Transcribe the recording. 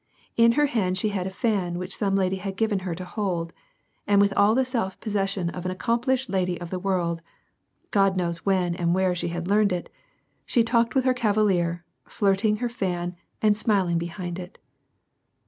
In her hand she had a fan which some lady had given her to hold ; and with all the self possession of an accomplished lady of the world (God knows when and where she had learned it), she talked with her cavalier, flirt ing her fan and smiling behind it.